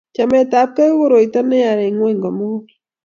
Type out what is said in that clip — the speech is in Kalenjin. Chametabkei ko koroito neya eng ngwony komugul